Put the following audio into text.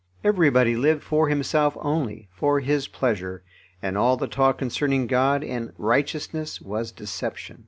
Everybody lived for himself only, for his pleasure, and all the talk concerning God and righteousness was deception.